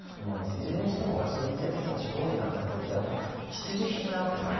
いずれにしてもガソリンは、特に地方においては必需品なわけですね。